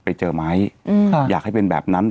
ไปเจอไหมอยากให้เป็นแบบนั้น